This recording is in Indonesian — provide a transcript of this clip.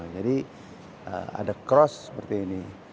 jadi ada cross seperti ini